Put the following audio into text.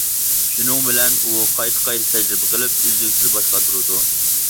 شۇنىڭ بىلەن ئۇ قايتا-قايتا تەجرىبە قىلىپ، ئۈزلۈكسىز باش قاتۇرىدۇ.